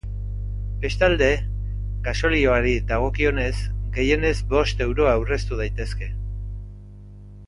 Bestalde, gasolioari dagokionez, gehienez bost euro aurreztu daitezke.